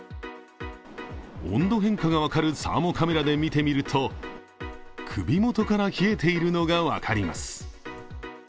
温度変化が分かるサーモカメラで見てみると、首元から冷えているのが分かります。